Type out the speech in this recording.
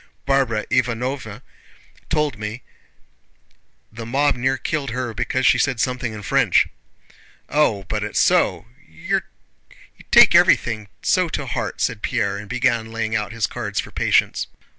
Barbara Ivánovna told me the mob near killed her because she said something in French." "Oh, but it's so... You take everything so to heart," said Pierre, and began laying out his cards for patience.